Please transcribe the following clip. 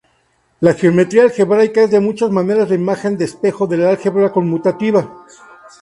La geometría algebraica es de muchas maneras la imagen de espejo del álgebra conmutativa.